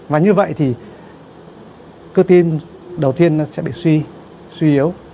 và như vậy thì cơ tim đầu tiên nó sẽ bị suy yếu